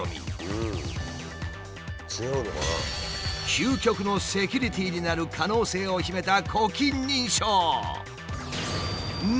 究極のセキュリティーになる可能性を秘めた呼気認証。